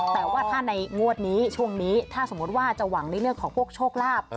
แต่ว่าถ้าในงวดนี้ช่วงนี้ถ้าสมมุติว่าจะหวังในเรื่องของพวกโชคลาภ